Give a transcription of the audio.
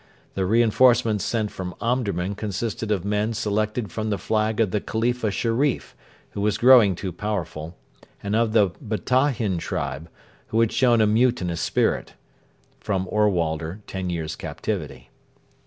The reinforcements sent from Omdurman consisted of men selected from the flag of the Khalifa Sherif, who was growing too powerful, and of the Batahin tribe, who had shown a mutinous spirit [Ohrwalder, TEN YEARS' CAPTIVITY.